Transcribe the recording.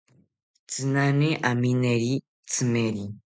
Tzinani amineri tzimeri